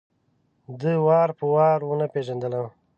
ده وار په وار ونه پېژندلم.